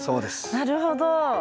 なるほど。